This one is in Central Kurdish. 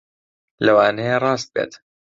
لەوانەیە ڕاست بێت